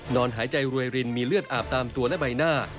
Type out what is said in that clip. นอนหายใจรวยรินมีเลือดอาบตามตัวและใบหน้า